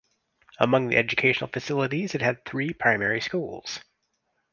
Among the educational facilities it had three primary schools.